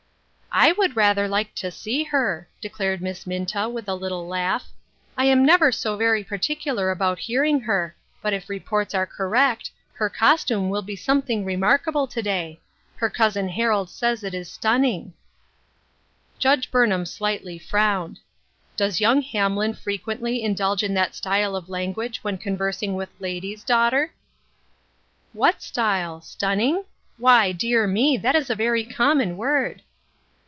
" I would rather like to see her," declared Miss Minta, with a little laugh. " I am never so very particular about hearing her ; but if reports are 28 LOGIC AND INTERROGATION POINTS. correct, her costume will be something remark able to day ; her cousin Harold says it is stun ning." Judge Burnham slightly frowned. " Does young Hamlin frequently indulge in that style of language when conversing with ladies, daughter ?"" What style ? Stunning ? Why, dear me ! that is a very common word."